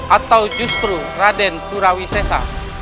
atau justru raden surawi sesa